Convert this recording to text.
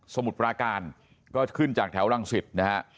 มุดปราการก็ขึ้นจากแถวรังสิตนะฮะ